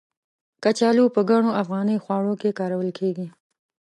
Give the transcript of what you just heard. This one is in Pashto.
کچالو په ګڼو افغاني خواړو کې کارول کېږي.